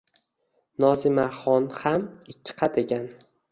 Nozimaxon ham ikkiqat ekan